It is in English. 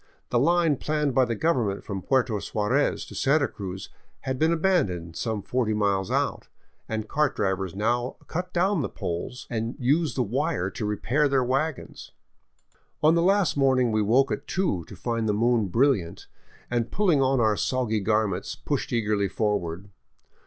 The line planned by the government from Puerto Suarez to Santa Cruz had been abandoned some forty miles out, and cart drivers now cut down the poles and use the wire to repair their wagons. On the last morning we woke at two to find the moon brilliant, and pulling on our soggy garments, pushed eagerly forward.